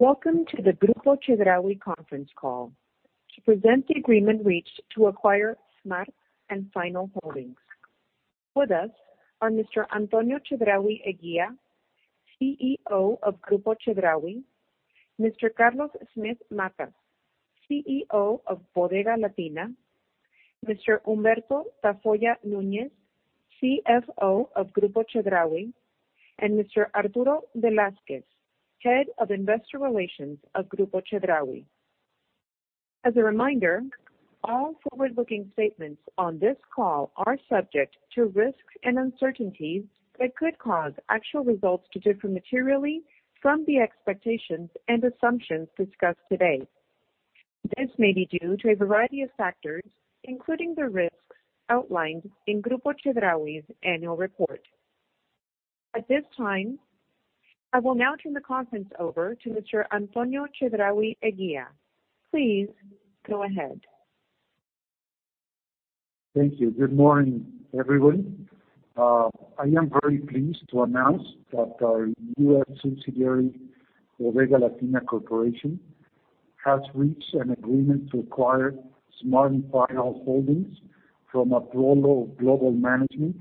Welcome to the Grupo Chedraui conference call to present the agreement reached to acquire Smart & Final Holdings. With us are Mr. Antonio Chedraui Eguía, CEO of Grupo Chedraui, Mr. Carlos Smith Matas, CEO of Bodega Latina, Mr. Humberto Tafolla Núñez, CFO of Grupo Chedraui, and Mr. Arturo Velázquez, Head of Investor Relations at Grupo Chedraui. As a reminder, all forward-looking statements on this call are subject to risks and uncertainties that could cause actual results to differ materially from the expectations and assumptions discussed today. This may be due to a variety of factors, including the risks outlined in Grupo Chedraui's annual report. At this time, I will now turn the conference over to Mr. Antonio Chedraui Eguía. Please go ahead. Thank you. Good morning, everyone. I am very pleased to announce that our U.S. subsidiary, Bodega Latina Corporation, has reached an agreement to acquire Smart & Final Holdings from Apollo Global Management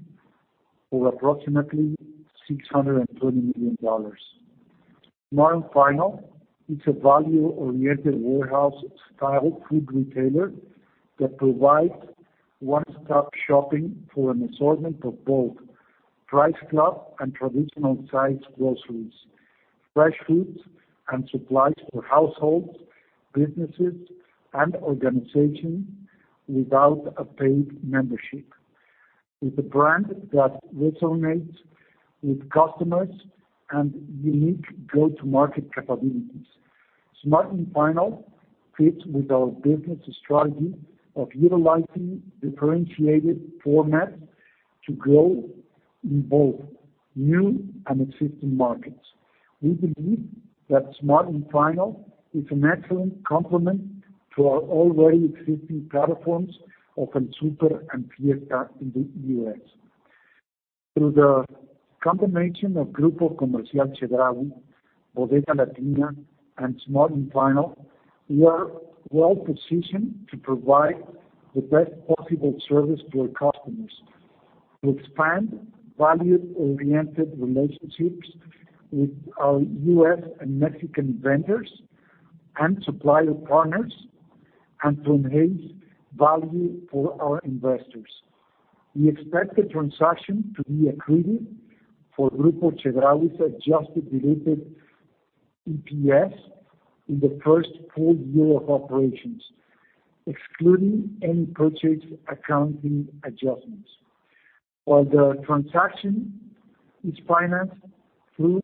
for approximately $620 million. Smart & Final is a value-oriented warehouse-style food retailer that provides one-stop shopping for an assortment of both price club and traditional-sized groceries, fresh foods, and supplies for households, businesses, and organizations without a paid membership. With a brand that resonates with customers and unique go-to-market capabilities, Smart & Final fits with our business strategy of utilizing differentiated formats to grow in both new and existing markets. We believe that Smart & Final is an excellent complement to our already existing platforms of El Super and Fiesta Mart in the U.S. Through the combination of Grupo Comercial Chedraui, Bodega Latina, and Smart & Final, we are well-positioned to provide the best possible service to our customers, with expanded value-oriented relationships with our U.S. and Mexican vendors and supplier partners, and enhanced value for our investors. We expect the transaction to be accretive for Grupo Chedraui's adjusted diluted EPS in the first full year of operations, excluding any purchase accounting adjustments. While the transaction is financed through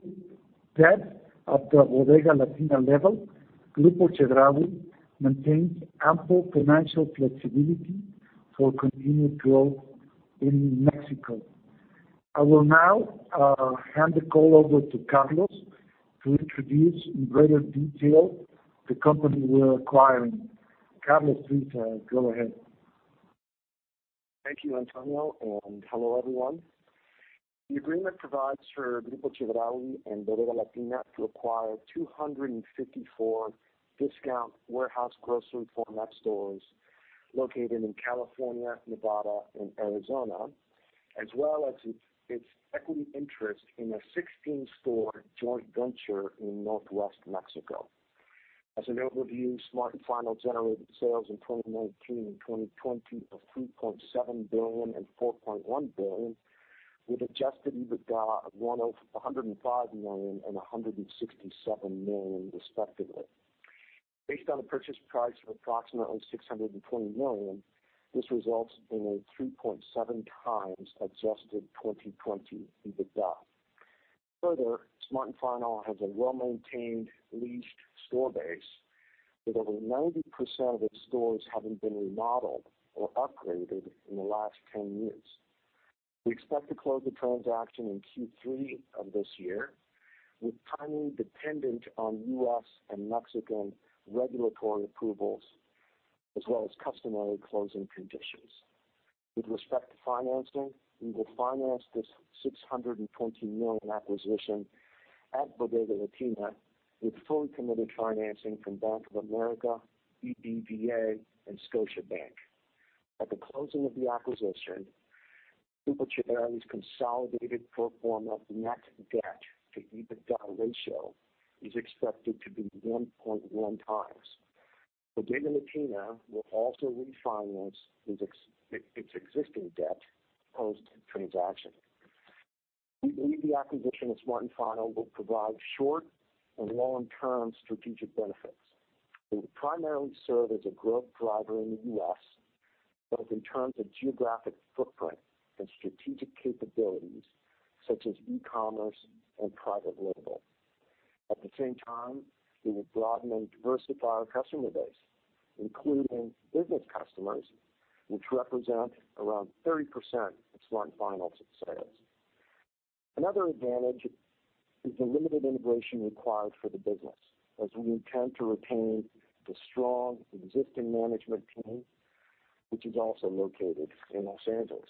debt at the Bodega Latina level, Grupo Chedraui maintains ample financial flexibility for continued growth in Mexico. I will now hand the call over to Carlos to introduce in greater detail the company we are acquiring. Carlos, please go ahead. Thank you, Antonio, and hello, everyone. The agreement provides for Grupo Chedraui and Bodega Latina to acquire 254 discount warehouse grocery format stores located in California, Nevada, and Arizona, as well as its equity interest in a 16-store joint venture in northwest Mexico. As an overview, Smart & Final generated sales in 2019 and 2020 of $3.7 billion and $4.1 billion, with adjusted EBITDA of $105 million and $167 million respectively. Based on a purchase price of approximately $620 million, this results in a 3.7x adjusted 2020 EBITDA. Further, Smart & Final has a well-maintained leased store base, with over 90% of stores having been remodeled or upgraded in the last 10 years. We expect to close the transaction in Q3 of this year, with timing dependent on U.S. and Mexican regulatory approvals as well as customary closing conditions. With respect to financing, we will finance this $620 million acquisition at Bodega Latina with fully committed financing from Bank of America, BBVA, and Scotiabank. At the closing of the acquisition, Grupo Comercial Chedraui's consolidated pro forma net debt to EBITDA ratio is expected to be 1.1x. Bodega Latina will also refinance its existing debt post-transaction. We believe the acquisition of Smart & Final will provide short- and long-term strategic benefits. It will primarily serve as a growth driver in the U.S., both in terms of geographic footprint and strategic capabilities such as e-commerce and private label. At the same time, it will broaden and diversify our customer base, including business customers, which represent around 30% of Smart & Final's sales. Another advantage is the limited integration required for the business, as we intend to retain the strong existing management team, which is also located in Los Angeles.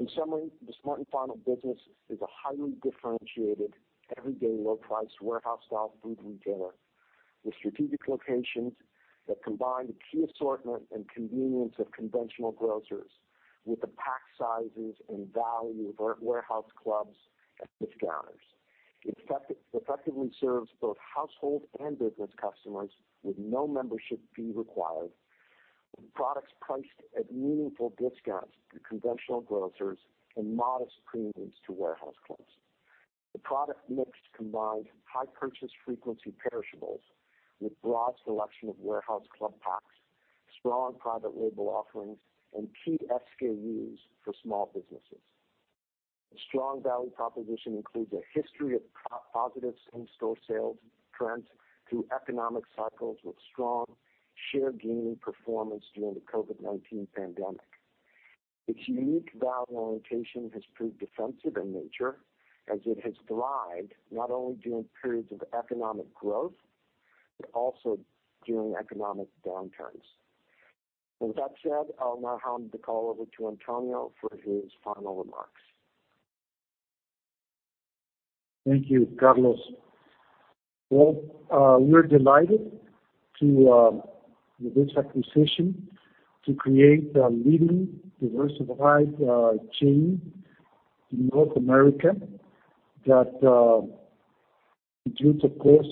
In summary, the Smart & Final business is a highly differentiated, everyday low price warehouse-style food retailer with strategic locations that combine the key assortment and convenience of conventional grocers with the pack sizes and value of warehouse clubs and discounters. It effectively serves both household and business customers with no membership fee required, with products priced at meaningful discounts to conventional grocers and modest premiums to warehouse clubs. The product mix combines high purchase frequency perishables with broad selection of warehouse club packs, strong private label offerings, and key SKUs for small businesses. The strong value proposition includes a history of positive same-store sales trends through economic cycles with strong share gaining performance during the COVID-19 pandemic. Its unique value orientation has proved defensive in nature, as it has thrived not only during periods of economic growth, but also during economic downturns. With that said, I'll now hand the call over to Antonio for his final remarks. Thank you, Carlos. We are delighted with this acquisition to create a leading diversified chain in North America that includes, of course,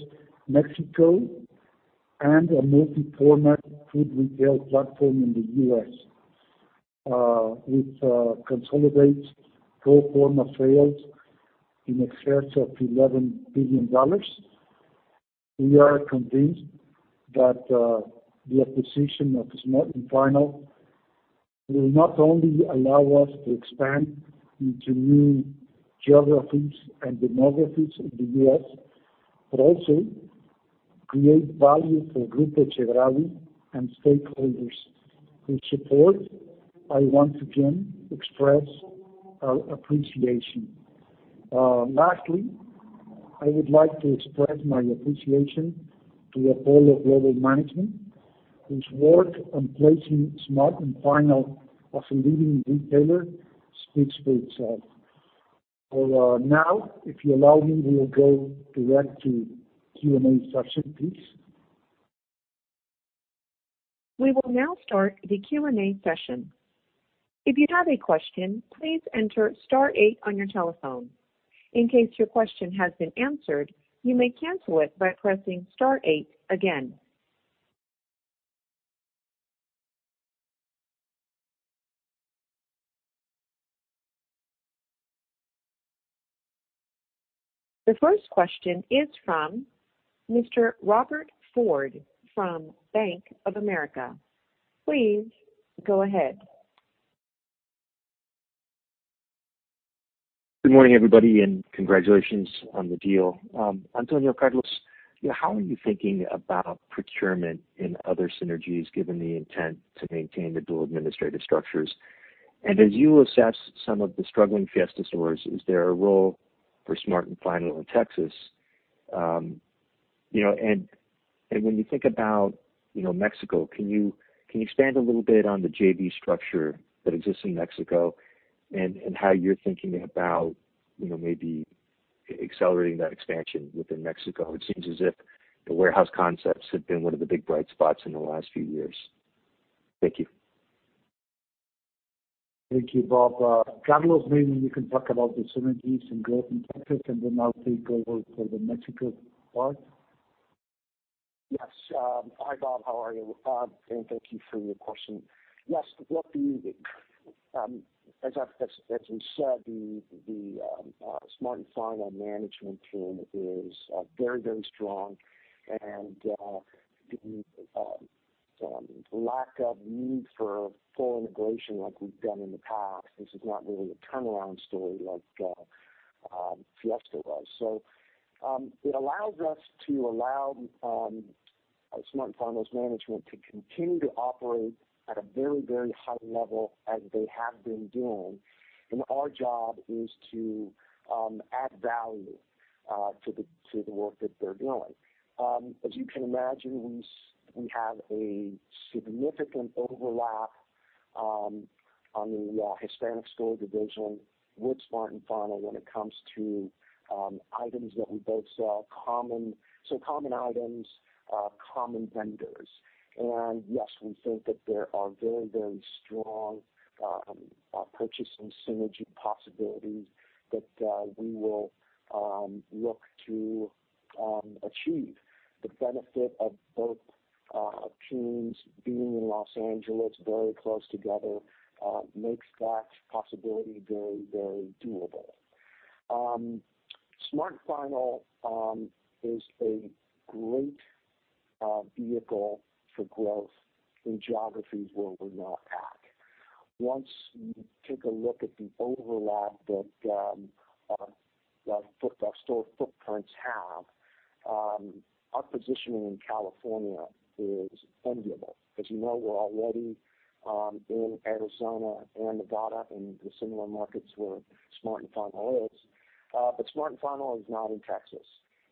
Mexico and a multi-format food retail platform in the U.S., which consolidates pro forma sales in excess of $11 billion. We are convinced that the acquisition of Smart & Final will not only allow us to expand into new geographies and demographics of the U.S., but also create value for Grupo Comercial Chedraui and stakeholders, whose support I want to again express our appreciation. Lastly, I would like to express my appreciation to the whole of global management, whose work on placing Smart & Final as a leading retailer speaks for itself. If you allow me, we will go direct to Q&A session, please. We will now start the Q&A session. If you have a question, please enter star eight on your telephone. In case your question has been answered, you may cancel it by pressing star eight again. The first question is from Mr. Robert Ford from Bank of America. Please go ahead. Good morning, everybody, and congratulations on the deal. Antonio, Carlos, how are you thinking about procurement and other synergies given the intent to maintain the dual administrative structures? As you assess some of the struggling Fiesta stores, is there a role for Smart & Final in Texas? When you think about Mexico, can you expand a little bit on the JV structure that exists in Mexico and how you're thinking about maybe accelerating that expansion within Mexico? It seems as if the warehouse concepts have been one of the big bright spots in the last few years. Thank you. Thank you, Bob. Carlos, maybe you can talk about the synergies in growth in Texas, and then I'll take over for the Mexico part. Yes. Hi, Bob, how are you? Thank you for your question. Yes, look, as we said, the Smart & Final management team is very strong, and the lack of need for full integration like we've done in the past, this is not really a turnaround story like Fiesta was. It allows us to allow Smart & Final's management to continue to operate at a very high level as they have been doing, and our job is to add value to the work that they're doing. As you can imagine, we have a significant overlap on the Hispanic store division with Smart & Final when it comes to items that we both sell, so common items, common vendors. Yes, we think that there are very strong purchasing synergy possibilities that we will look to achieve. The benefit of both teams being in Los Angeles, very close together, makes that possibility very doable. Smart & Final is a great vehicle for growth in geographies where we're not at. Once you take a look at the overlap that our store footprints have, our positioning in California is enviable. As you know, we're already in Arizona and Nevada and the similar markets where Smart & Final is. Smart & Final is not in Texas,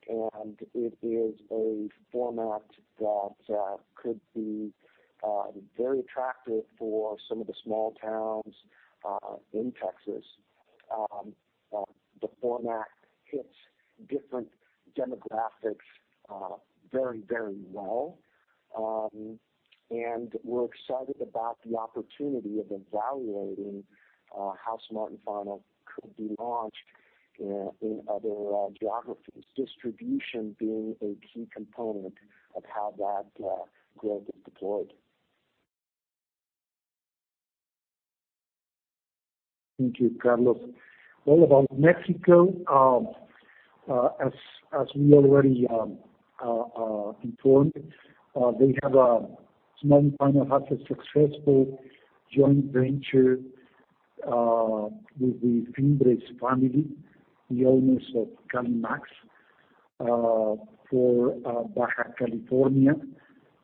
and it is a format that could be very attractive for some of the small towns in Texas. The format hits different demographics very well, and we're excited about the opportunity of evaluating how Smart & Final could be launched in other geographies, distribution being a key component of how that growth is deployed. Thank you, Carlos. What about Mexico? As we already informed, Smart & Final has a successful joint venture with the Fimbres family, the owners of Calimax, for Baja California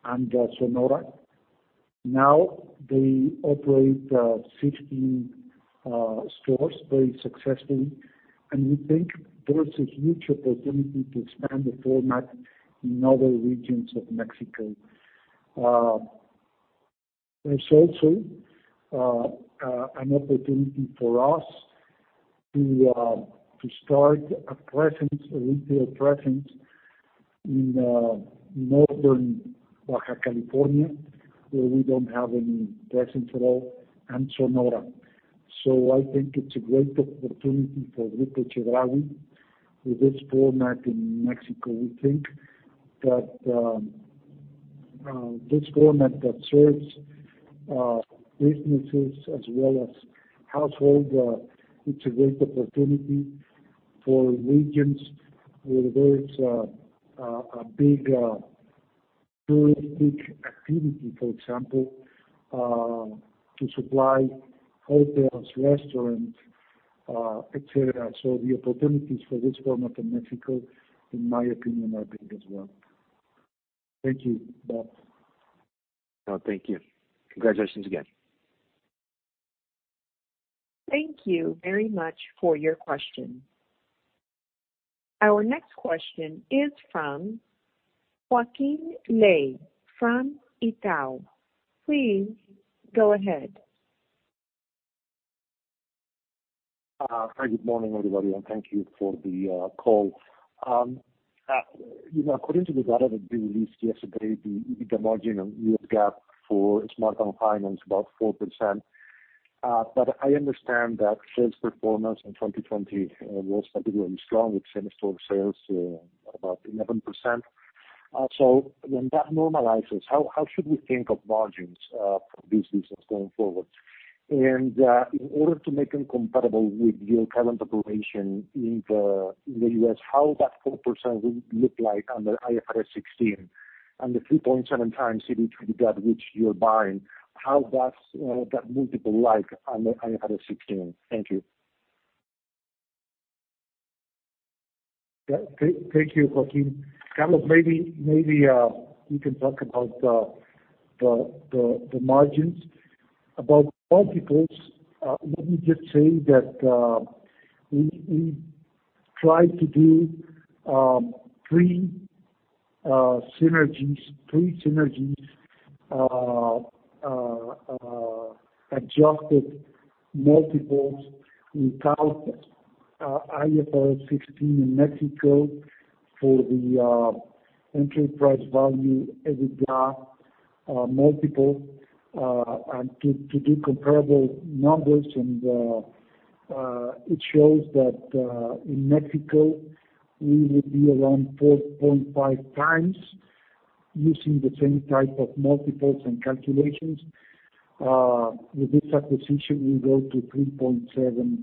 and Sonora. Now they operate 15 stores very successfully, and we think there is a huge opportunity to expand the format in other regions of Mexico. There's also an opportunity for us to start a retail presence in northern Baja California, where we don't have any presence at all, and Sonora. I think it's a great opportunity for Grupo Chedraui with this format in Mexico. We think that this format that serves businesses as well as households, it's a great opportunity for regions where there is a big touristic activity, for example, to supply hotels, restaurants, et cetera. The opportunities for this format in Mexico, in my opinion, are big as well. Thank you, Bob. Thank you. Congratulations again. Thank you very much for your question. Our next question is from Joaquín Ley from Itaú. Please go ahead. Hi, good morning, everybody, and thank you for the call. According to the data that you released yesterday, the margin on U.S. GAAP for Smart & Final is about 4%. I understand that sales performance in 2020 was particularly strong, with same-store sales about 11%. When that normalizes, how should we think of margins for businesses going forward? In order to make them comparable with your current operation in the U.S., how that 4% would look like under IFRS 16 and the 3.7x EBITDA which you're buying, how that's multiple like under IFRS 16? Thank you. Thank you, Joaquín. Carlos, maybe you can talk about the margins. About multiples, let me just say that we try to do pre-synergies adjusted multiples without IFRS 16 in Mexico for the enterprise value / EBITDA multiple to do comparable numbers. It shows that in Mexico, we would be around 4.5x using the same type of multiples and calculations. With this acquisition, we go to 3.7x.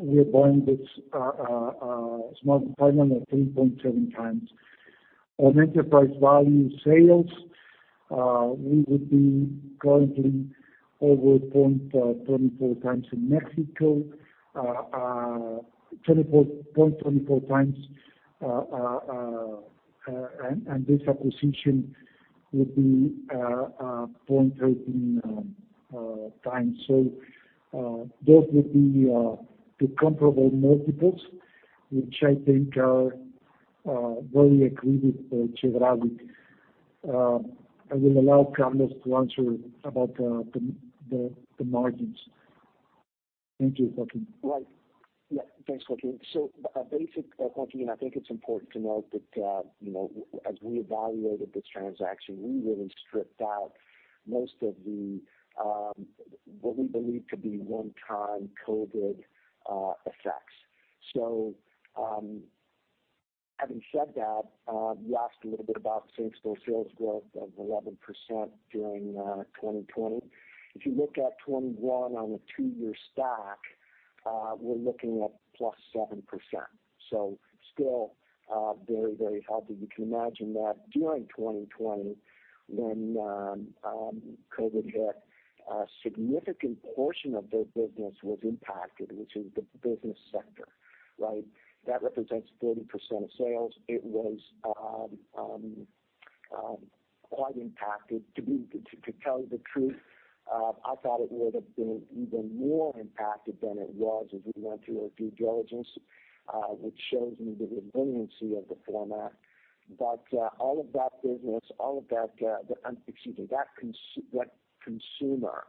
We are buying this Smart & Final at 3.7x. On enterprise value sales, we would be currently over 0.24x in Mexico, this acquisition would be 0.13x. Those would be the comparable multiples, which I think are very agreed with Chedraui. I will allow Carlos to answer about the margins. Thank you, Joaquín. Right. Yeah, thanks, Joaquín. Basically, Joaquín, I think it's important to note that as we evaluated this transaction, we really stripped out most of what we believe to be one-time COVID effects. Having said that, you asked a little bit about same-store sales growth of 11% during 2020. If you look at 2021 on a two-year stack, we're looking at +7%. Still very healthy. You can imagine that during 2020, when COVID hit, a significant portion of their business was impacted, which is the business sector, right? That represents 40% of sales. It was quite impacted. To tell you the truth, I thought it would have been even more impacted than it was if we went through a due diligence, which shows me the resiliency of the format. All of that business, excuse me, that consumer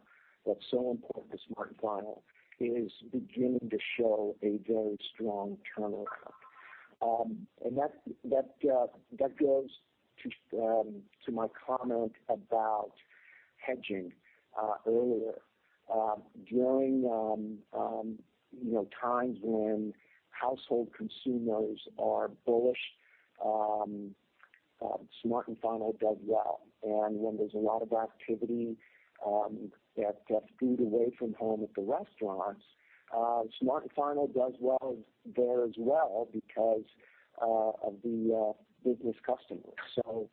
that's so important to Smart & Final is beginning to show a very strong turnaround. That goes to my comment about hedging earlier. During times when household consumers are bullish, Smart & Final does well. When there's a lot of activity that's being away from home at the restaurants, Smart & Final does well there as well because of the business customers.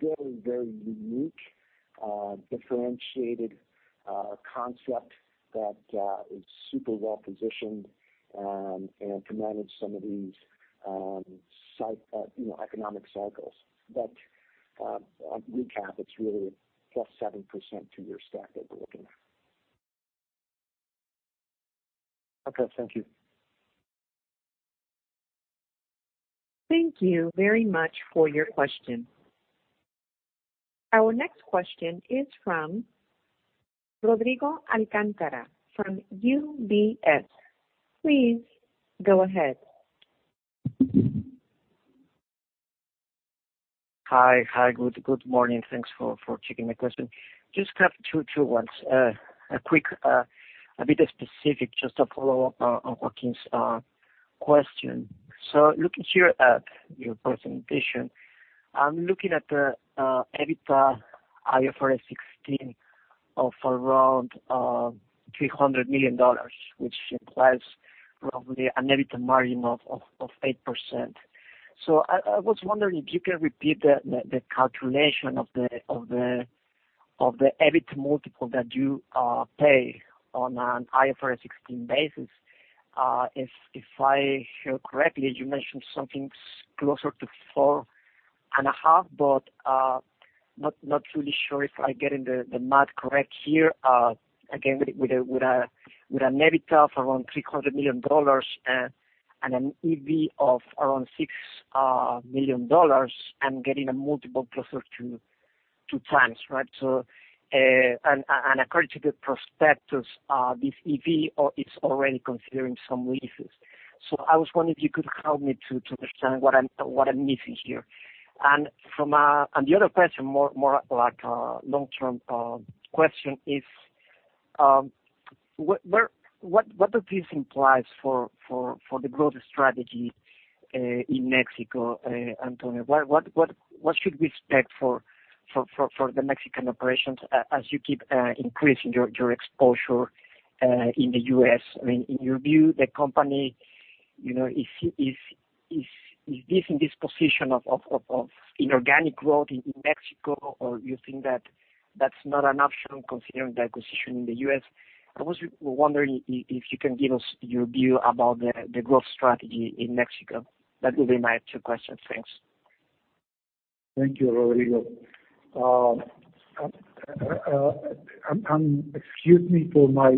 Very, very unique, differentiated concept that is super well-positioned and can manage some of these economic cycles. Recap, it's really just 7% two-year stack that we're looking at. Okay. Thank you. Thank you very much for your question. Our next question is from Rodrigo Alcántara from UBS. Please go ahead. Hi. Good morning. Thanks for taking the question. Just have two ones. A quick, a bit of specific, just a follow-up on Joaquín's question. Looking here at your presentation, I'm looking at the EBITDA IFRS 16 of around $300 million, which implies probably an EBITDA margin of 8%. I was wondering if you can repeat the calculation of the EBITDA multiple that you pay on an IFRS 16 basis. If I hear correctly, you mentioned something closer to 4.5x, but not really sure if I'm getting the math correct here. Again, with an EBITDA of around $300 million and an EV of around $6 million, I'm getting a multiple closer to 2x, right? According to the prospectus, this EV is already considering some leases. I was wondering if you could help me to understand what I'm missing here. The other question, more like a long-term question is, what does this imply for the growth strategy in Mexico, Antonio? What should we expect for the Mexican operations as you keep increasing your exposure in the U.S.? In your view, the company, is this disposition of inorganic growth in Mexico, or you think that that's not an option considering the acquisition in the U.S.? I was wondering if you can give us your view about the growth strategy in Mexico. That will be my two questions. Thanks. Thank you, Rodrigo. Excuse me for my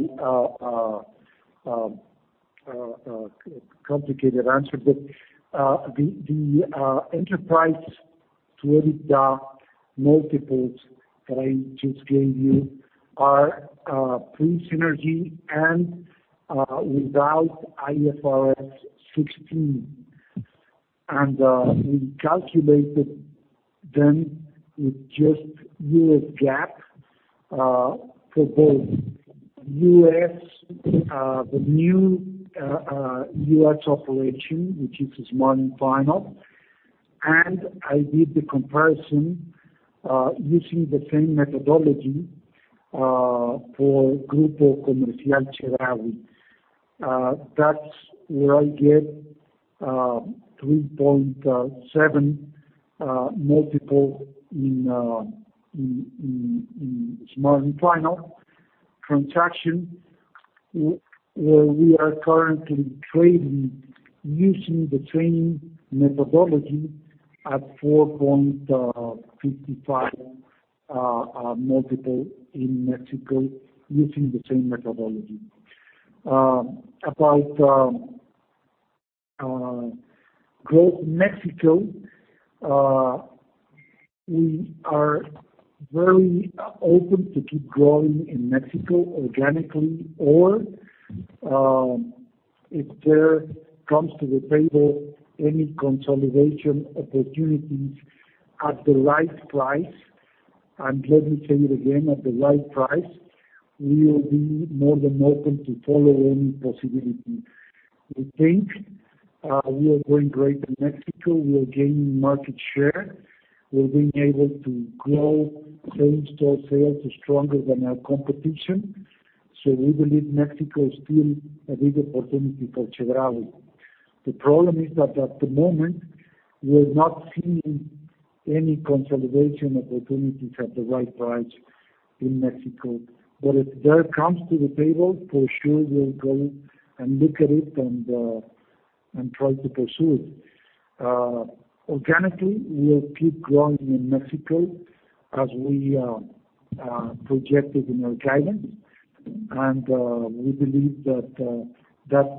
complicated answer, but the enterprise to EBITDA multiples that I just gave you are pre-synergy and without IFRS 16. We calculated them with just U.S. GAAP for both U.S., the new U.S. operation, which is Smart & Final, and I did the comparison using the same methodology for Grupo Comercial Chedraui. That's where I get 3.7x multiple in Smart & Final transaction, where we are currently trading using the same methodology at 4.55x multiple in Mexico using the same methodology. About growth Mexico, we are very open to keep growing in Mexico organically or if there comes to the table any consolidation opportunities at the right price, I'm glad to tell you again, at the right price, we will be more than open to follow any possibility. We think we are going great in Mexico. We are gaining market share. We're being able to grow same-store sales are stronger than our competition. We believe Mexico is still a big opportunity for Chedraui. The problem is that at the moment, we are not seeing any consolidation opportunities at the right price in Mexico. If there comes to the table, for sure we'll go and look at it and. Try to pursue it. Organically, we will keep growing in Mexico as we projected in our guidance, and we believe that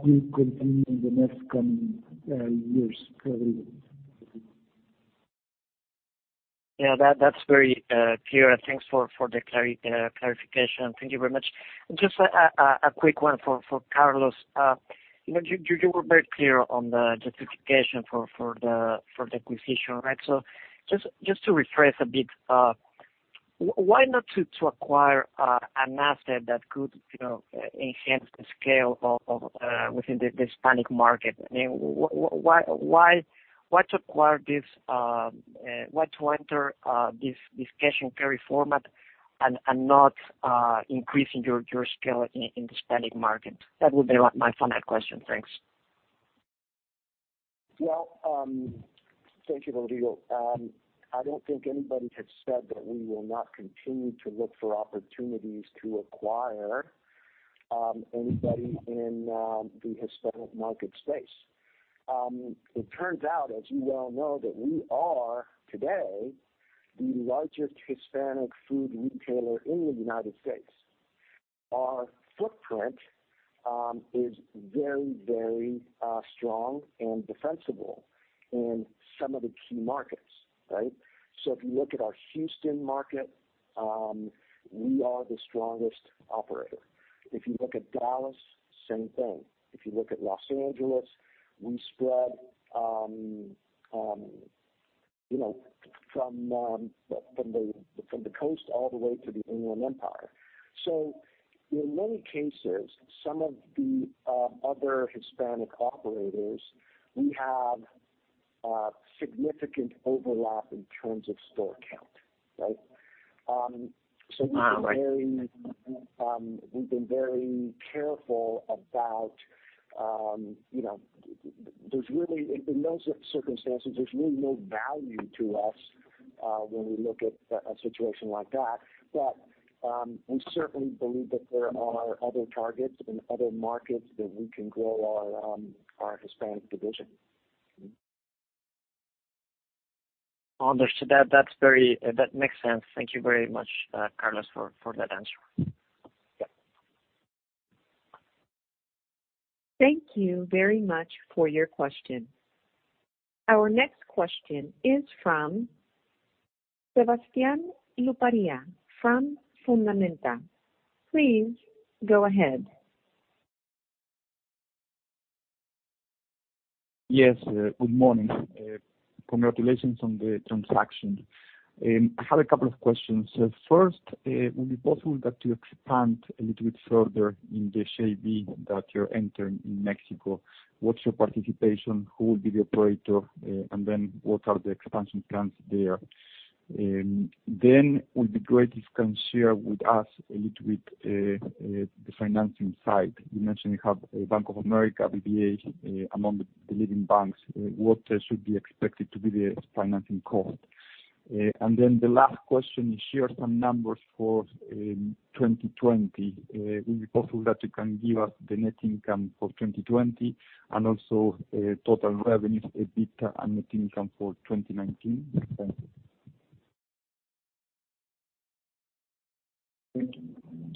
will continue in the next coming years for us. Yeah, that's very clear. Thanks for the clarification. Thank you very much. Just a quick one for Carlos. You were very clear on the justification for the acquisition, right? Just to rephrase a bit. Why not to acquire an asset that could enhance the scale within the Hispanic market? I mean, why to enter this cash-and-carry format and not increasing your scale in the Hispanic market? That would be my final question. Thanks. Well, thank you, Rodrigo. I don't think anybody has said that we will not continue to look for opportunities to acquire anybody in the Hispanic market space. It turns out, as you well know, that we are today the largest Hispanic food retailer in the U.S. Our footprint is very strong and defensible in some of the key markets. Right? If you look at our Houston market, we are the strongest operator. If you look at Dallas, same thing. If you look at Los Angeles, we spread from the coast all the way to the Inland Empire. In many cases, some of the other Hispanic operators, we have significant overlap in terms of store count. Right? Wow, okay. We've been very careful about, in those circumstances, there's really no value to us when we look at a situation like that. We certainly believe that there are other targets in other markets that we can grow our Hispanic division. Understood. That makes sense. Thank you very much, Carlos, for that answer. Yeah. Thank you very much for your question. Our next question is from Sebastian Luparia from Fundamenta. Please go ahead. Yes, good morning. Congratulations on the transaction. I have a couple of questions. First, would it be possible that you expand a little bit further in the JV that you're entering in Mexico? What's your participation? Who will be the operator? What are the expansion plans there? It would be great if you can share with us a little bit, the financing side. You mentioned you have Bank of America, BBVA among the leading banks. What should we expected to be the financing cost? The last question, share some numbers for 2020. Would it be possible that you can give us the net income for 2020 and also total revenue, EBITDA, and net income for 2019? Thank you.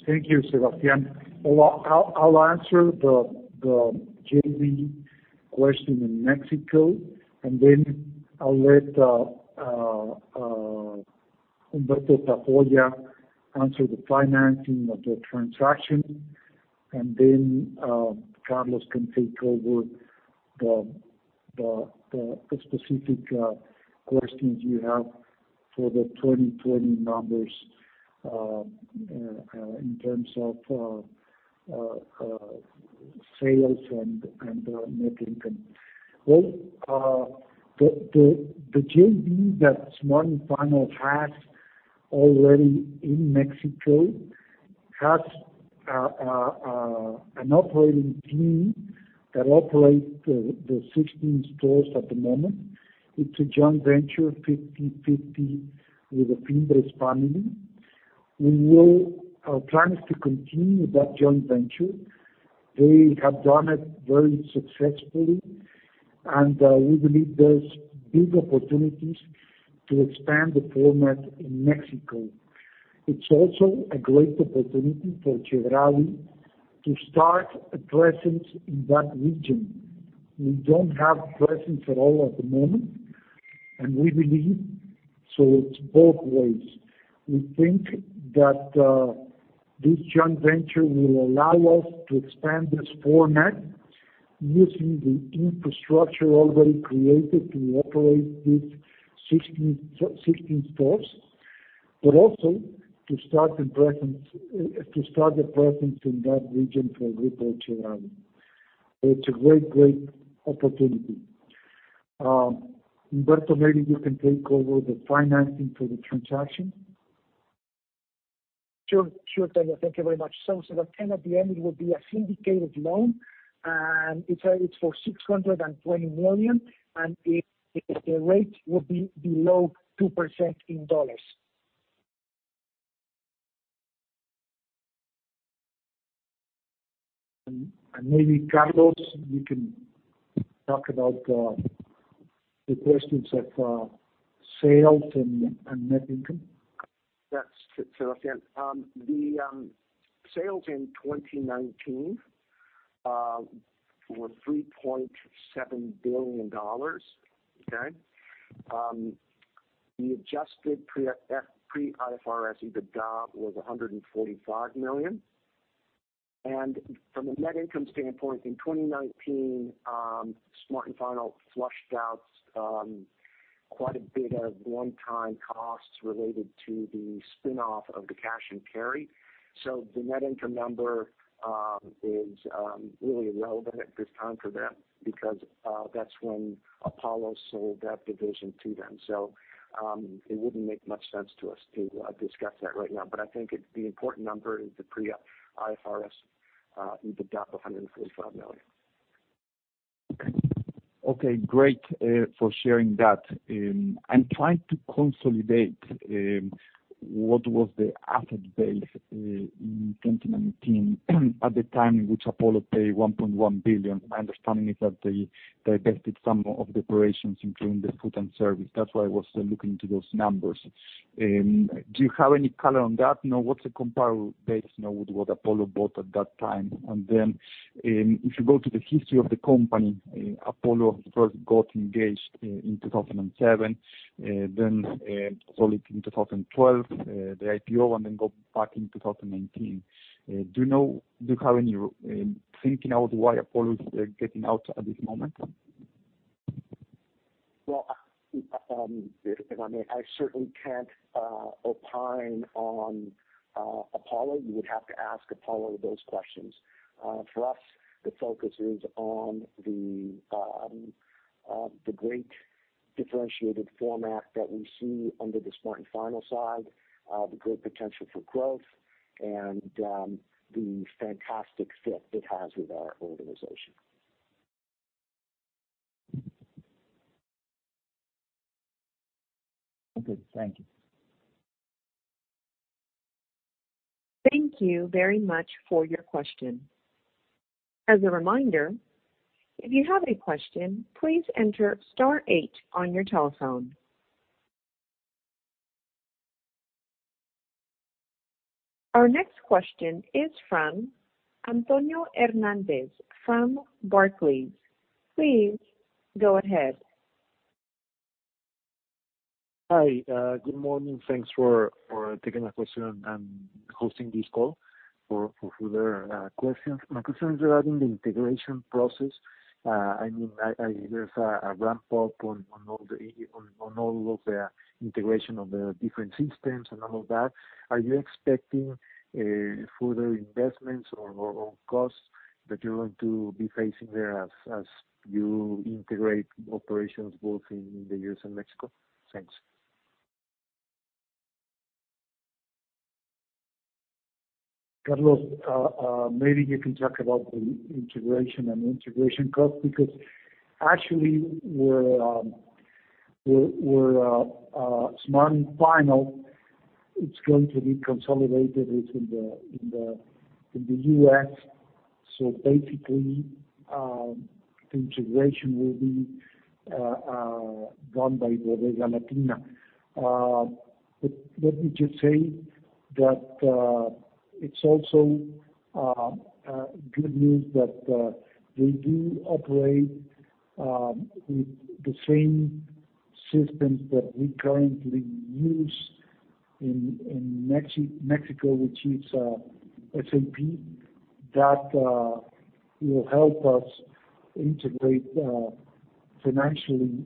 Thank you, Sebastian. Well, I'll answer the JV question in Mexico, and then I'll let Humberto Tafolla answer the financing of the transaction, and then Carlos can take over the specific questions you have for the 2020 numbers in terms of sales and net income. Well, the JV that Smart & Final has already in Mexico has an operating team that operates the 16 stores at the moment. It's a joint venture, 50/50 with the Fimbres family. We will plan to continue that joint venture. They have done it very successfully, and we believe there's big opportunities to expand the format in Mexico. It's also a great opportunity for Chedraui to start a presence in that region. We don't have presence at all at the moment, and we believe, so it's both ways. We think that this joint venture will allow us to expand this format using the infrastructure already created to operate these 16 stores, but also to start a presence in that region for Grupo Chedraui. It's a great opportunity. Humberto, maybe you can take over the financing for the transaction. Sure, Antonio. Thank you very much. Sebastian, at the end, it will be a syndicated loan, and it's for $620 million, and the rate will be below 2% in dollars. Maybe Carlos, you can talk about the questions of sales and net income. Yes. Listen. The sales in 2019 were $3.7 billion. Okay? The adjusted pre-IFRS EBITDA was $145 million. From a net income standpoint, in 2019, Smart & Final flushed out quite a bit of one-time costs related to the spinoff of the cash and carry. The net income number is really irrelevant at this time for them because that's when Apollo sold that division to them. It wouldn't make much sense to us to discuss that right now. I think the important number is the pre-IFRS EBITDA of $145 million. Okay. Great for sharing that. I'm trying to consolidate what was the asset base in 2019 at the time in which Apollo paid $1.1 billion. My understanding is that they divested some of the operations, including the food and service. That's why I was looking to those numbers. Do you have any color on that? What's a comparable base now with what Apollo bought at that time? Then, if you go to the history of the company, Apollo first got engaged in 2007, then sold it in 2012, the IPO, and then got back in 2019. Do you have any thinking about why Apollo is getting out at this moment? Well, if I may, I certainly can't opine on Apollo. You would have to ask Apollo those questions. For us, the focus is on the great differentiated format that we see under the Smart & Final side, the great potential for growth, and the fantastic fit it has with our organization. Okay. Thank you. Thank you very much for your question. As a reminder, if you have a question, please enter star eight on your telephone. Our next question is from Antonio Hernández from Barclays. Please go ahead. Hi. Good morning. Thanks for taking the question and hosting this call for further questions. My question is regarding the integration process. There's a ramp-up on all of the integration of the different systems and all of that. Are you expecting further investments or costs that you're going to be facing there as you integrate operations both in the U.S. and Mexico? Thanks. Carlos, maybe you can talk about the integration and integration cost because actually where Smart & Final is going to be consolidated is in the U.S. Basically, the integration will be done by Bodega Latina. Let me just say that it's also good news that they do operate with the same systems that we currently use in Mexico, which is SAP, that will help us integrate financially,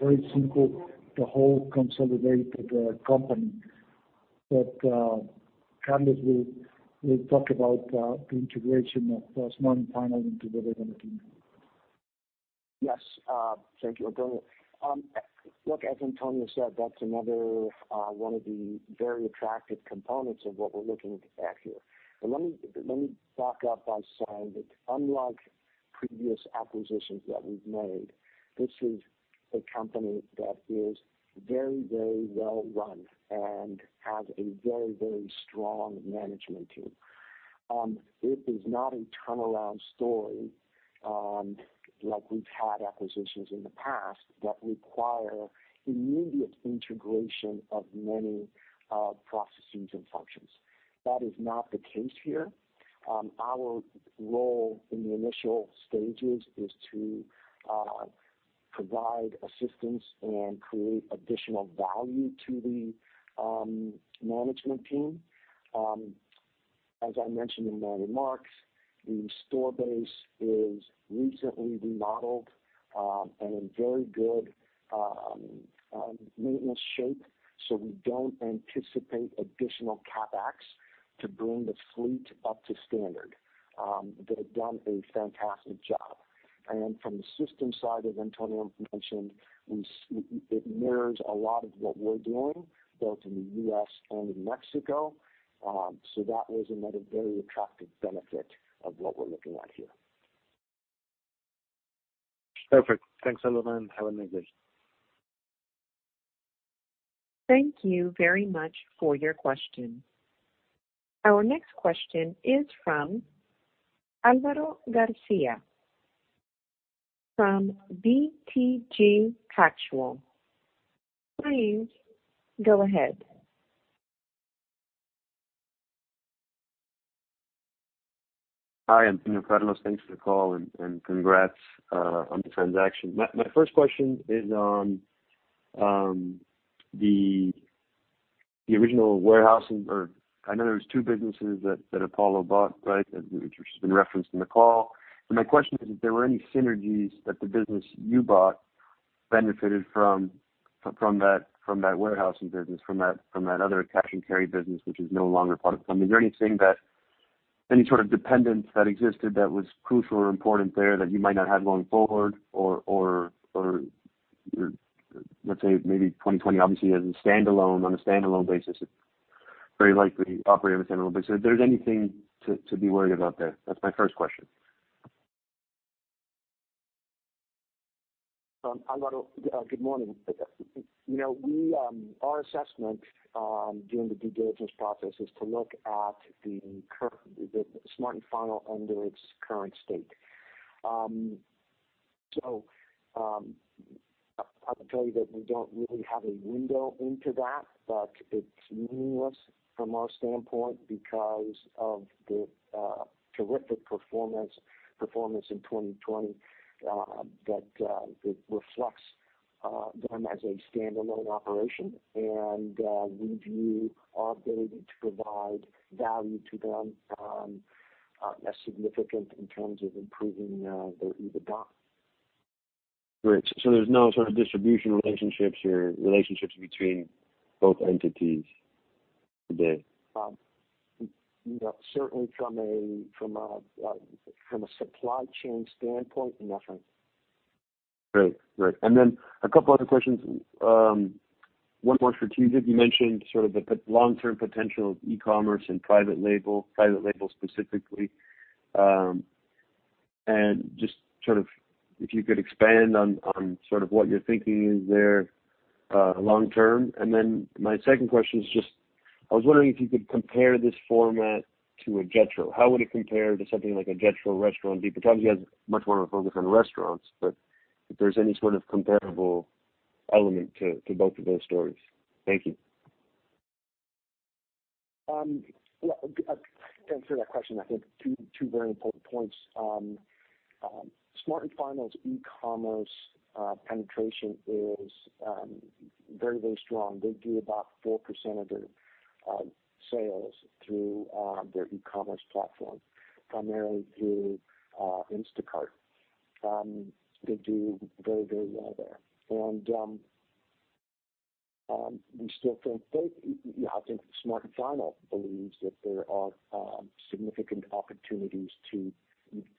very simple, the whole consolidated company. Carlos will talk about the integration of Smart & Final into Bodega Latina. Yes. Thank you, Antonio. Look, as Antonio said, that's another one of the very attractive components of what we're looking at here. Let me back up by saying that unlike previous acquisitions that we've made, this is a company that is very well-run and has a very strong management team. It is not a turnaround story like we've had acquisitions in the past that require immediate integration of many processes and functions. That is not the case here. Our role in the initial stages is to provide assistance and create additional value to the management team. As I mentioned in my remarks, the store base is recently remodeled, and in very good maintenance shape. We don't anticipate additional CapEx to bring the fleet up to standard. They have done a fantastic job. From the system side, as Antonio mentioned, it mirrors a lot of what we're doing both in the U.S. and in Mexico. That was another very attractive benefit of what we're looking at here. Perfect. Thanks a lot. Have a nice day. Thank you very much for your question. Our next question is from Álvaro Garcia from BTG Pactual. Please go ahead. Hi, Antonio Carlos. Thanks for the call, congrats on the transaction. My first question is on the original warehousing. I know there was two businesses that Apollo bought, which has been referenced in the call. My question is if there were any synergies that the business you bought benefited from that warehousing business, from that other cash and carry business, which is no longer part of the company. Anything that any sort of dependence that existed that was crucial or important there that you might not have going forward, or let's say maybe 2020 obviously as a standalone, on a standalone basis, it very likely operated on a standalone basis. If there's anything to be worried about there. That's my first question. Álvaro, good morning. Our assessment during the due diligence process is to look at Smart & Final under its current state. I'll tell you that we don't really have a window into that, but it's meaningless from our standpoint because of the terrific performance in 2020 that reflects them as a standalone operation. We view our ability to provide value to them as significant in terms of improving their EBITDA. Great. There's no sort of distribution relationships or relationships between both entities today? No. Certainly from a supply chain standpoint, nothing. Great. Then a couple other questions, one more strategic. You mentioned sort of the long-term potential of e-commerce and private label, private label specifically. Just sort of if you could expand on what you're thinking there long term. Then my second question is just, I was wondering if you could compare this format to a Jetro. How would it compare to something like a Jetro restaurant? Because obviously that's much more focused on restaurants, but if there's any sort of comparable element to both of those stories. Thank you. To answer that question, I think two very important points. Smart & Final's e-commerce penetration is very strong. They do about 4% of their sales through their e-commerce platform, primarily through Instacart. They do very well there. I think Smart & Final believes that there are significant opportunities to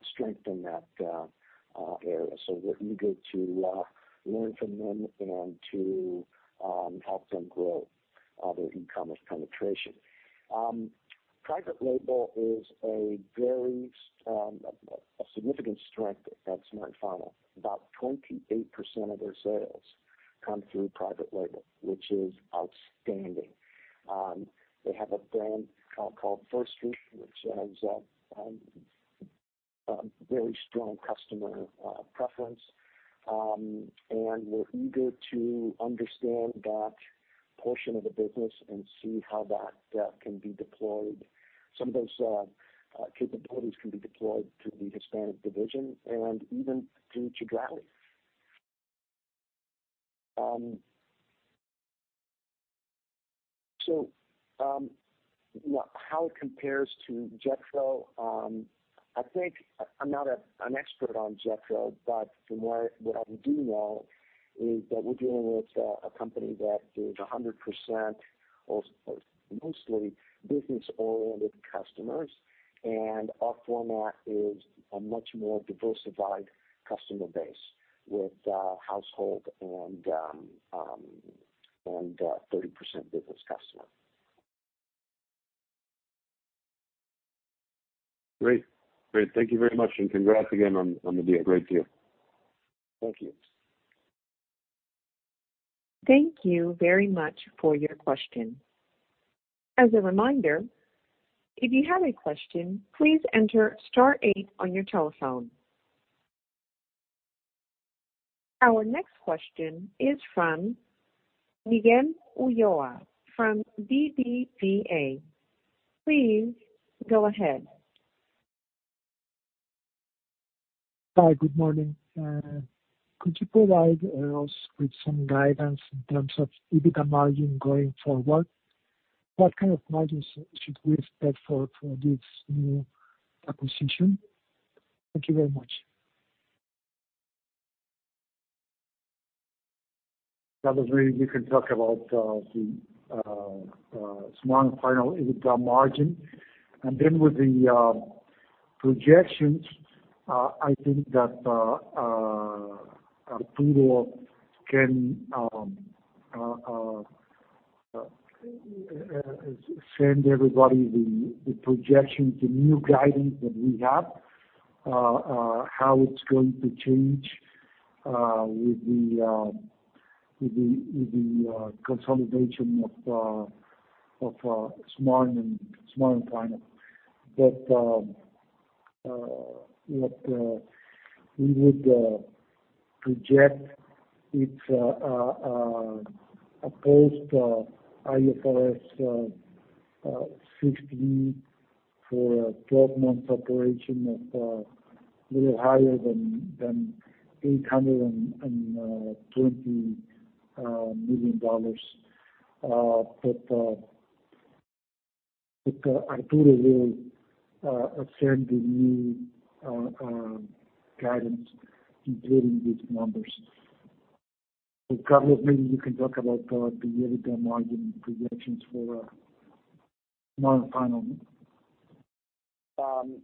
strengthen that area. We're eager to learn from them and to help them grow their e-commerce penetration. Private label is a very significant strength at Smart & Final. About 28% of their sales come through private label, which is outstanding. They have a brand called First Street, which has a very strong customer preference. We're eager to understand that portion of the business and see how some of those capabilities can be deployed to the Hispanic division and even to Chedraui. How it compares to Jetro, I'm not an expert on Jetro, but from what I do know is that we're dealing with a company that is 100% mostly business-oriented customers, and our format is a much more diversified customer base with household and 30% business customer. Great. Thank you very much, and congrats again on the deal. Great deal. Thank you. Thank you very much for your question. As a reminder, if you have a question, please enter star eight on your telephone. Our next question is from Miguel Ulloa from BBVA. Please go ahead. Hi, good morning. Could you provide us with some guidance in terms of EBITDA margin going forward? What kind of margin should we expect for this new acquisition? Thank you very much. That is where we can talk about the Smart & Final EBITDA margin. With the projections, I think that Arturo can send everybody the projections and new guidance that we have. How it's going to change with the consolidation of Smart & Final. We would project its post IFRS 16 for a 12-month operation of a little higher than $820 million. Arturo will share the new guidance including these numbers. Carlos, maybe you can talk about the EBITDA margin projections for Smart & Final. On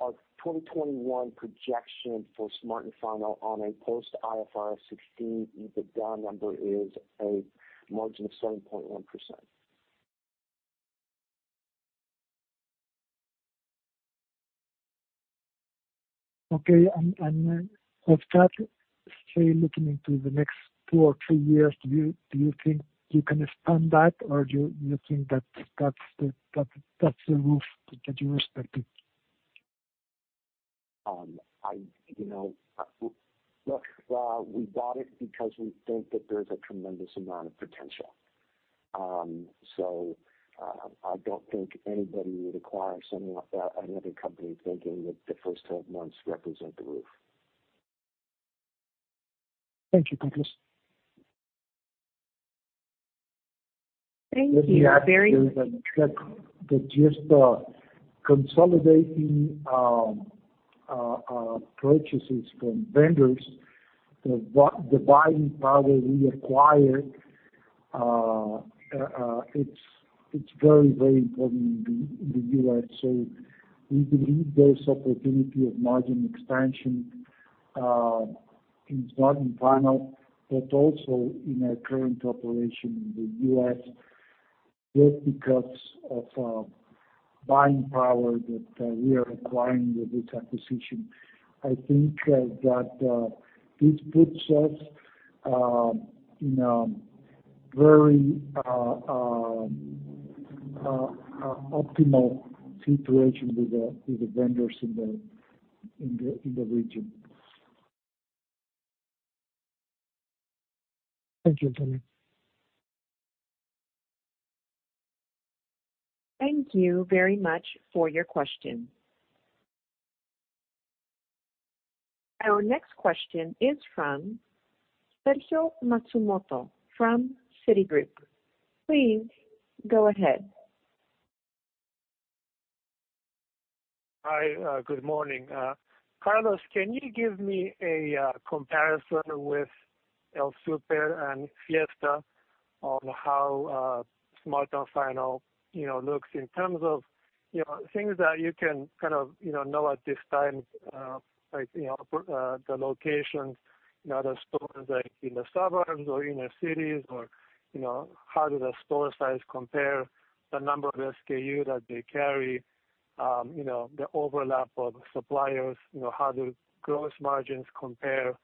our 2021 projection for Smart & Final on a post IFRS 16, the [bond] number is a margin of 7.1%. Okay. With that, say, looking into the next two or three years, do you think you can expand that or do you think that's the roof, that you've respected? Look, we bought it because we think that there's a tremendous amount of potential. I don't think anybody would acquire another company thinking that the first 12 months represent the roof. Thank you, Carlos. Thank you very- With the actions that just consolidating purchases from vendors, the buying power we acquire, it's very important in the U.S. We believe there's opportunity of margin expansion in Smart & Final, but also in our current operation in the U.S., just because of buying power that we are acquiring with this acquisition. I think that this puts us in a very optimal situation with the vendors in the region. Thank you, Jenny. Thank you very much for your question. Our next question is from Sergio Matsumoto from Citigroup. Please go ahead. Hi. Good morning. Carlos, can you give me a comparison with El Super and Fiesta on how Smart & Final looks in terms of things that you can know at this time like the locations, the stores like in the suburbs or inner cities or how do the store size compare, the number of SKUs that they carry, the overlap of suppliers, how do gross margins compare,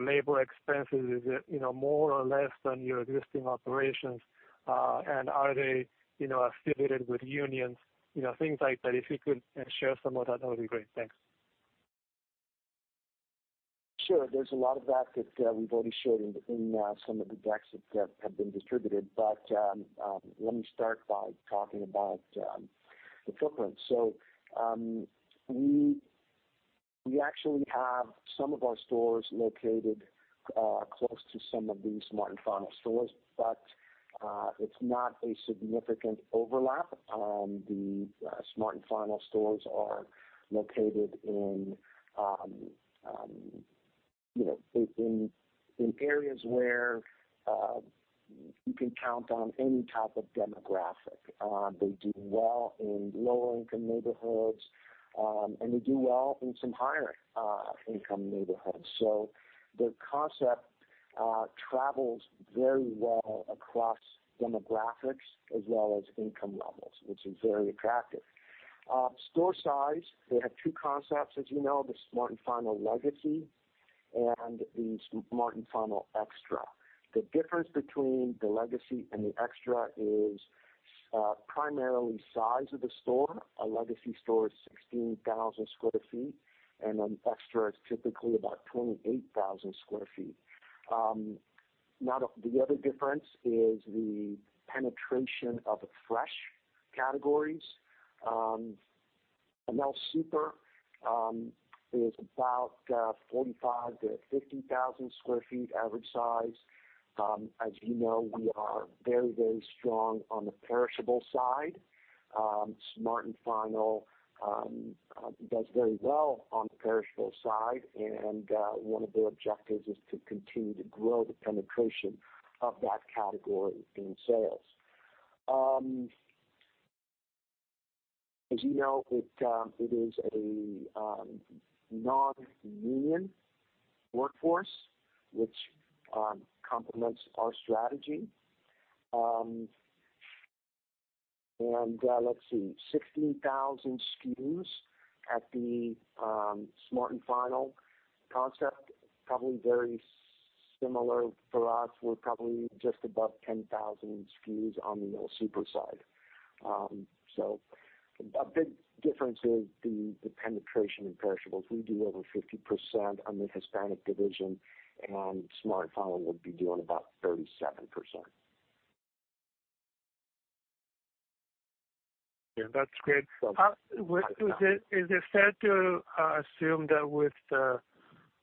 labor expenses, is it more or less than your existing operations? Are they affiliated with unions? Things like that. If you could share some of that would be great. Thanks. Sure. There's a lot of that that we've already shared in some of the decks that have been distributed. Let me start by talking about the footprint. We actually have some of our stores located close to some of the Smart & Final stores, but it's not a significant overlap. The Smart & Final stores are located in areas where you can count on any type of demographic. They do well in lower income neighborhoods, and they do well in some higher income neighborhoods. Their concept travels very well across demographics as well as income levels, which is very attractive. Store size, they have two concepts, as you know, the Smart & Final Legacy and the Smart & Final Extra!. The difference between the Legacy and the Extra is primarily size of the store. A Legacy store is 16,000 sq ft. An Extra is typically about 28,000 sq ft. The other difference is the penetration of the fresh categories. An El Super is about 45,000 sq ft-50,000 sq ft average size. As you know, we are very strong on the perishable side. Smart & Final does very well on the perishable side. One of their objectives is to continue to grow the penetration of that category in sales. As you know, it is a non-union workforce, which complements our strategy. Let's see, 16,000 SKUs at the Smart & Final concept. Probably very similar for us. We're probably just above 10,000 SKUs on the El Super side. A big difference is the penetration in perishables. We do over 50% on the Hispanic division. Smart & Final would be doing about 37%. That's great. Is it fair to assume that with the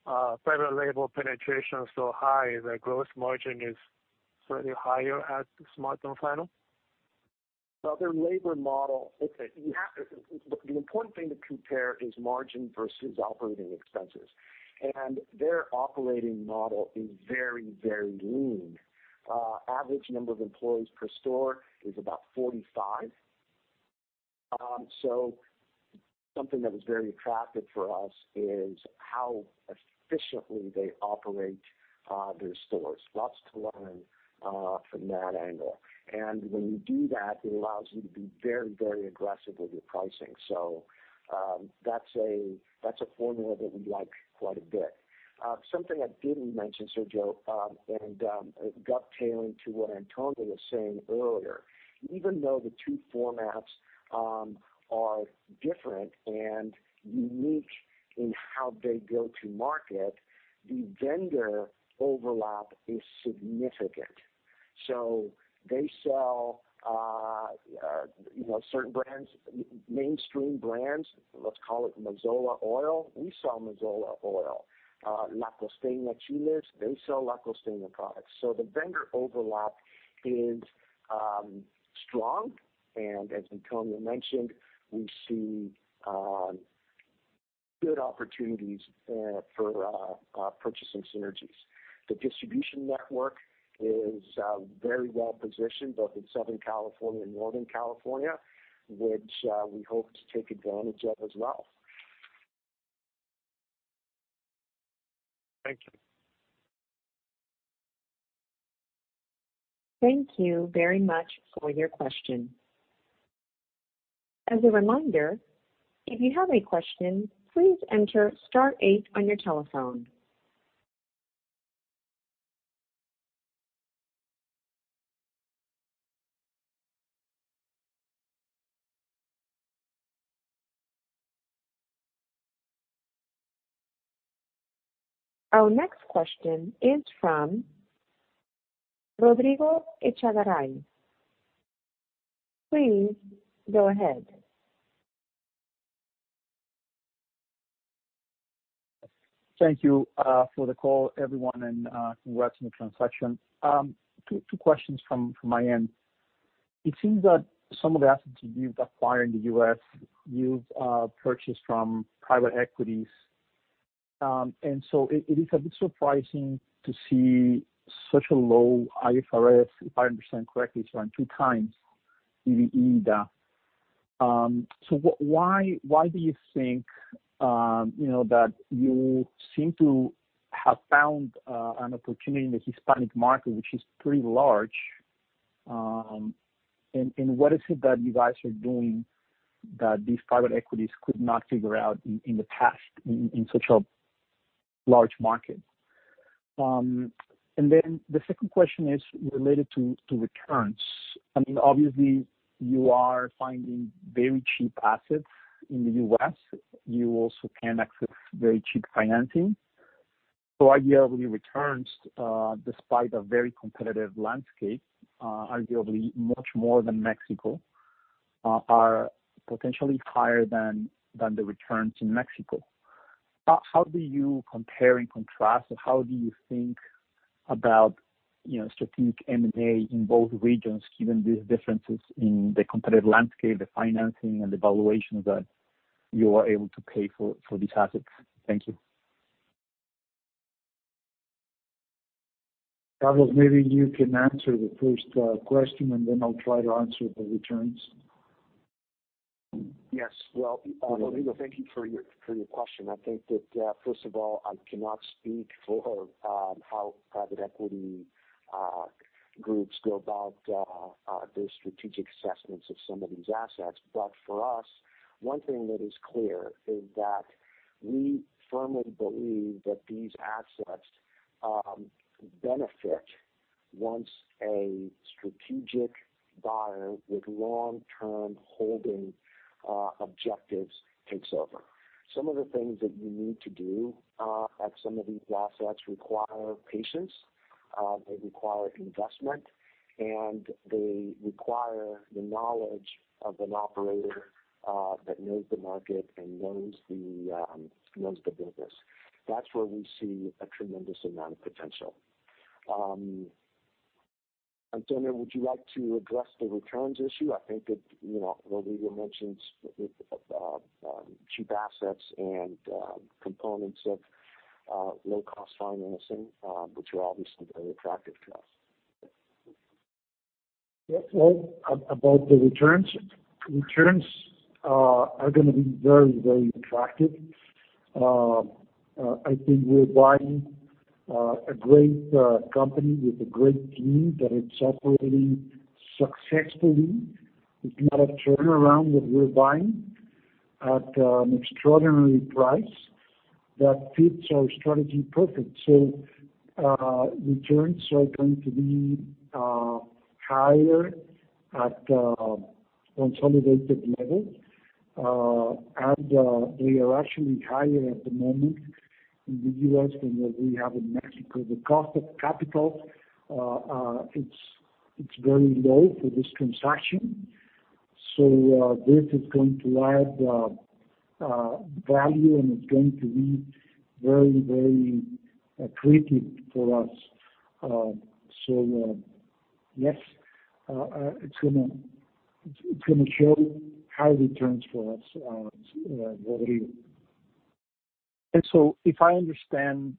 private label penetration so high, the gross margin is certainly higher at the Smart & Final? Their labor model, look, the important thing to compare is margin versus operating expenses. Their operating model is very, very lean. Average number of employees per store is about 45. Something that is very attractive for us is how efficiently they operate their stores. Lots to learn from that angle. When you do that, it allows you to be very, very aggressive with your pricing. That's a formula that we like quite a bit. Something I didn't mention, Sergio, and dovetailing to what Antonio was saying earlier, even though the two formats are different and unique in how they go to market, the vendor overlap is significant. They sell certain mainstream brands, let's call it Mazola oil. We sell Mazola oil. La Costeña chiles, they sell La Costeña products. The vendor overlap is strong, and as Antonio mentioned, we see good opportunities for purchasing synergies. The distribution network is very well-positioned both in Southern California and Northern California, which we hope to take advantage of as well. Thank you. Thank you very much for your question. As a reminder, if you have a question, please enter star eight on your telephone. Our next question is from Rodrigo Echeverri. Please go ahead. Thank you for the call, everyone, and congrats on the transaction. Two questions from my end. It seems that some of the assets you've acquired in the U.S. you've purchased from private equities. It is a bit surprising to see such a low IFRS, if I understand correctly, so on 2x in EBITDA. Why do you think that you seem to have found an opportunity in the Hispanic market, which is pretty large? What is it that you guys are doing that these private equities could not figure out in the past in such a large market? The second question is related to returns. I mean, obviously, you are finding very cheap assets in the U.S. You also can access very cheap financing. Ideally, returns, despite a very competitive landscape, ideally much more than Mexico, are potentially higher than the returns in Mexico. How do you compare and contrast, or how do you think about strategic M&A in both regions, given these differences in the competitive landscape, the financing, and the valuations that you are able to pay for these assets? Thank you. Carlos, maybe you can answer the first question, and then I'll try to answer the returns. Yes. Rodrigo, thank you for your question. I think that, first of all, I cannot speak for how private equity groups go about their strategic assessments of some of these assets. For us, one thing that is clear is that we firmly believe that these assets benefit once a strategic buyer with long-term holding objectives takes over. Some of the things that you need to do at some of these assets require patience, they require investment, and they require the knowledge of an operator that knows the market and knows the business. That's where we see a tremendous amount of potential. Antonio, would you like to address the returns issue? I think that Rodrigo mentioned cheap assets and components of low-cost financing, which are obviously very attractive to us. Yeah. Well, about the returns, are going to be very, very attractive. I think we're buying a great company with a great team that is operating successfully. It's not a turnaround that we're buying at an extraordinary price that fits our strategy perfect. Returns are going to be higher at the consolidated level, and they are actually higher at the moment in the U.S. than what we have in Mexico. The cost of capital, it's very low for this transaction. This is going to add value, and it's going to be very, very accretive for us. Yes, it's going to show high returns for us. If I understand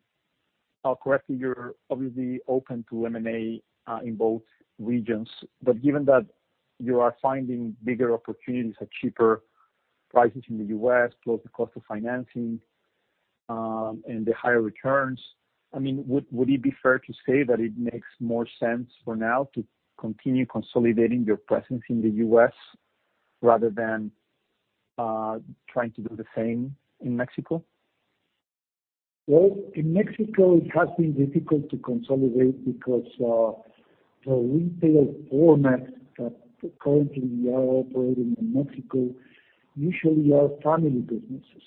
correctly, you're obviously open to M&A in both regions, but given that you are finding bigger opportunities at cheaper prices in the U.S., lower cost of financing, and the higher returns, would it be fair to say that it makes more sense for now to continue consolidating your presence in the U.S. rather than trying to do the same in Mexico? In Mexico, it has been difficult to consolidate because the retail formats that currently are operating in Mexico usually are family businesses.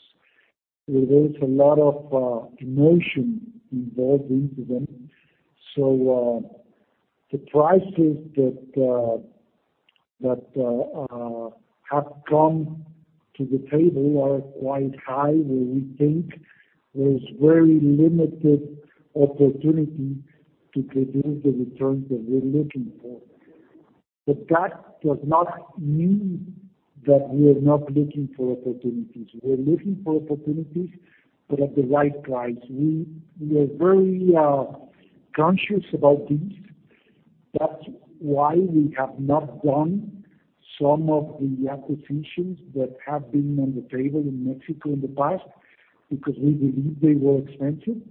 There's a lot of emotion involved into them. The prices that have come to the table are quite high, and we think there's very limited opportunity to produce the returns that we're looking for. That does not mean that we are not looking for opportunities. We're looking for opportunities, but at the right price. We are very conscious about this. That's why we have not done some of the acquisitions that have been on the table in Mexico in the past because we believe they were expensive.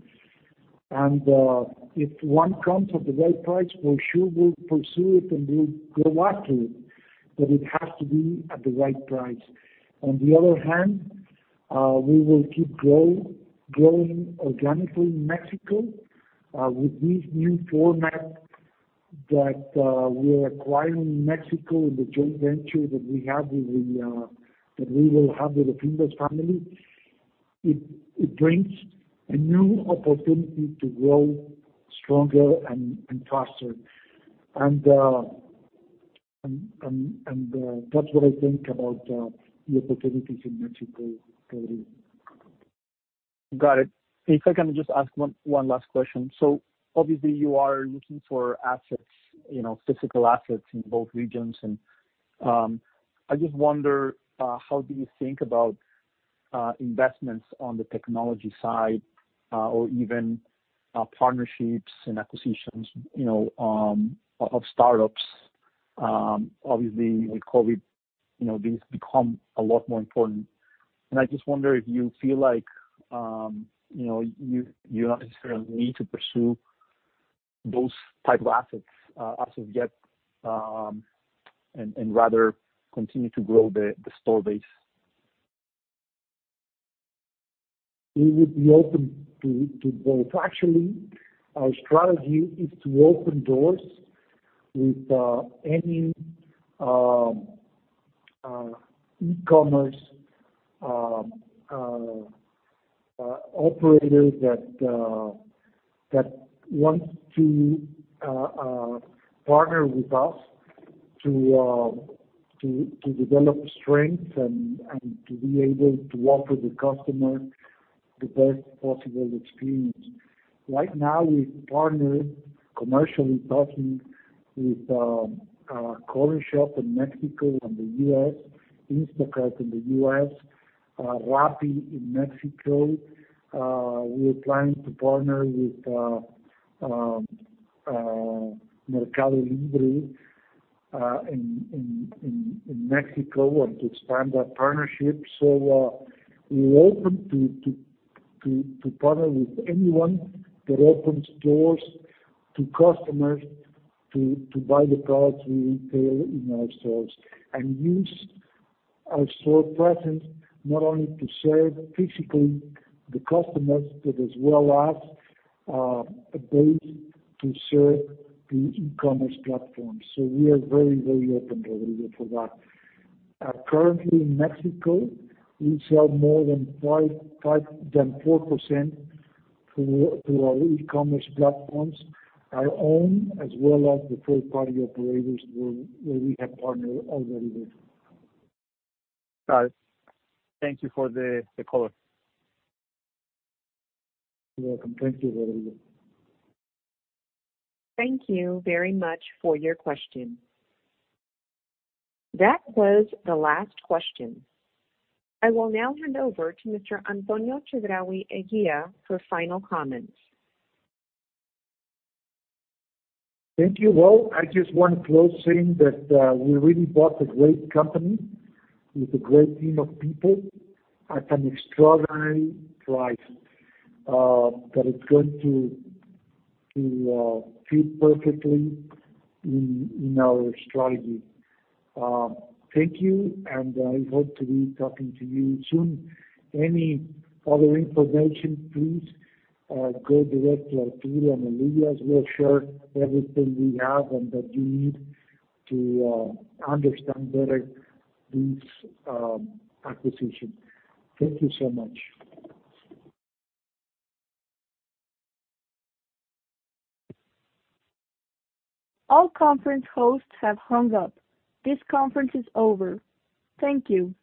If one comes at the right price, for sure we'll pursue it and we'll go after it, but it has to be at the right price. On the other hand, we will keep growing organically in Mexico, with this new format that we are acquiring in Mexico, the joint venture that we will have with the Fimbres family. It brings a new opportunity to grow stronger and faster, that's what I think about the opportunities in Mexico going. Got it. If I can just ask one last question. Obviously you are looking for assets, physical assets in both regions, and I just wonder how do you think about investments on the technology side, or even partnerships and acquisitions of startups? Obviously with COVID-19, these become a lot more important, and I just wonder if you feel like you don't necessarily need to pursue those type of assets as of yet, and rather continue to grow the store base. We would be open to both. Actually, our strategy is to open doors with any e-commerce operator that wants to partner with us to develop strengths and to be able to offer the customer the best possible experience. Right now, we've partnered commercially talking with Cornershop in Mexico and the U.S., Instacart in the U.S., Rappi in Mexico. We are planning to partner with Mercado Libre in Mexico and to expand our partnership. We're open to partner with anyone that opens doors to customers to buy the products we retail in our stores and use our store presence not only to serve physically the customers, but as well as a base to serve the e-commerce platforms. We are very open, Olivia, for that. Currently in Mexico, we sell more than 4% through our e-commerce platforms, our own as well as the third-party operators where we have partnered already with. Got it. Thank you for the call. You're welcome. Thank you very much. Thank you very much for your question. That was the last question. I will now hand over to Mr. José Antonio Chedraui Eguía for final comments. Thank you. Well, I just want to close saying that we really bought a great company with a great team of people at an extraordinary price that is going to fit perfectly in our strategy. Thank you, and I hope to be talking to you soon. Any further information, please go direct to Arturo and Olivia as well. Share everything we have and that you need to understand better this acquisition. Thank you so much. All conference hosts have hung up. This conference is over. Thank you.